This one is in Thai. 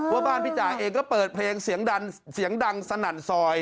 ว่าบ้านพี่จ่าเองก็เปิดเพลงเสียงดังสนั่นซอย